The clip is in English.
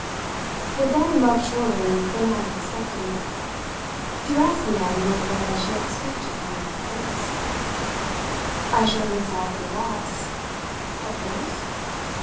It brought him up shorter than I had expected. "Do you ask me that in order that I shan't speak to her of this?" I showed myself at a loss. "Of 'this'